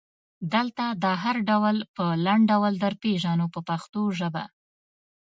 دلته دا هر ډول په لنډ ډول درپېژنو په پښتو ژبه.